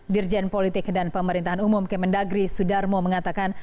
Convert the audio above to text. dirjen politik dan pemerintahan umum kemendagri sudarmo mengatakan